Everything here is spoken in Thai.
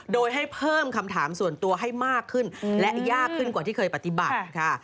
โดยให้เพิ่มคำถามส่วนตัวให้มากขึ้นและยากขึ้นกว่าที่เคยปฏิบัติค่ะ